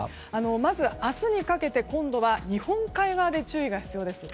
まず、明日にかけて今度は日本海側で注意が必要です。